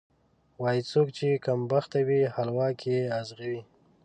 وایي: څوک چې کمبخته وي، حلوا کې یې ازغی وي.